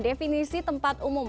definisi tempat umum